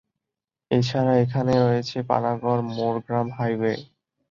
এছাড়া এখানে রয়েছে পানাগড়-মোরগ্রাম হাইওয়ে।